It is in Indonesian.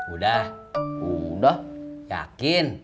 udah udah yakin